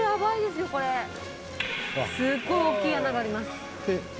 すごい大きい穴があります。